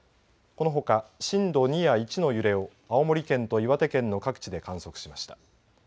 このほか震度２や１の揺れを青森県と岩手県の各地で観測しました。